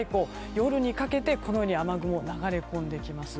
夜にかけて、このように雨雲が流れ込んできます。